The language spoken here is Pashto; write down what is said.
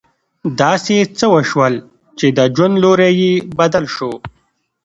داسې څه وشول چې د ژوند لوری يې بدل شو.